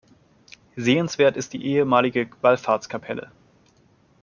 Sehenswert ist die ehemalige Wallfahrtskapelle.